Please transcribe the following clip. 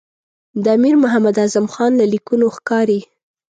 د امیر محمد اعظم خان له لیکونو ښکاري.